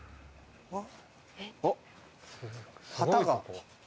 あっ旗が。